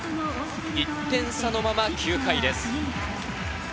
１点差のまま９回です。